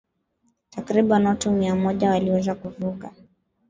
Takriban watu mia moja waliweza kuvuka